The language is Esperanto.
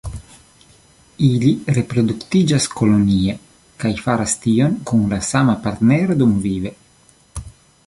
Ili reproduktiĝas kolonie, kaj faras tion kun la sama partnero dumvive.